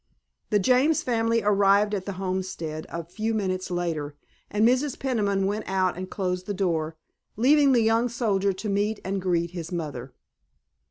The James family arrived at the homestead a few minutes later, and Mrs. Peniman went out and closed the door, leaving the young soldier to meet and greet his mother.